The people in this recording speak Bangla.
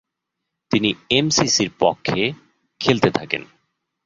তিনি এমসিসি’র পক্ষে খেলতে থাকেন।